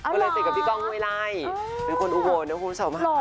ก็เลยเสียกับพี่ก้องไว้ไล่เป็นคนอุโวนนะคุณผู้ชม